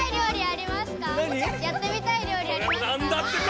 やってみたい料理ありますか？